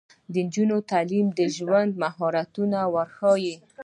د نجونو تعلیم د ژوند مهارتونه ورښيي.